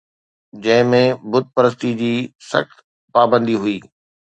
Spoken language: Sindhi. جنهن ۾ بت پرستي جي سخت پابندي هئي